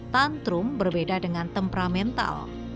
tantrum berbeda dengan temperamental